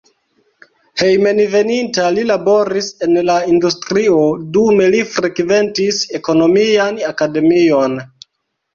Hejmenveninta li laboris en la industrio, dume li frekventis ekonomian akademion.